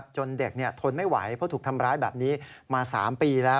จนเด็กทนไม่ไหวเพราะถูกทำร้ายแบบนี้มา๓ปีแล้ว